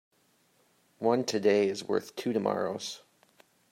One today is worth two tomorrows.